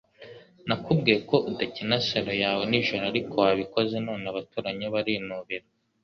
Nakubwiye ko udakina selo yawe nijoro, ariko wabikoze none abaturanyi barinubira.